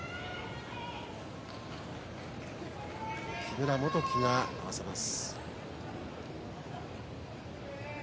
木村元基が合わせます。